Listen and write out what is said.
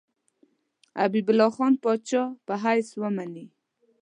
حبیب الله خان پاچا په حیث ومني.